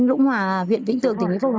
lũng hòa huyện vĩnh tường tỉnh vịnh phúc không ạ